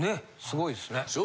すごいですね。